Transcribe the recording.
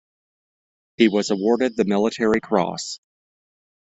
He was awarded the Military Cross.